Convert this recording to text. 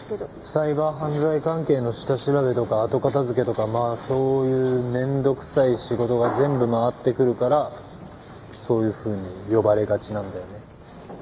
サイバー犯罪関係の下調べとか後片付けとかまあそういう面倒くさい仕事が全部回ってくるからそういうふうに呼ばれがちなんだよね。